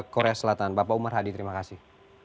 korea selatan bapak umar hadi terima kasih